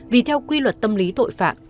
vì theo quy luật tâm lý tội phạm